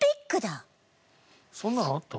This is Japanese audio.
そんなのあった？